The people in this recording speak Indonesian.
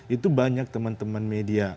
itu banyak teman teman media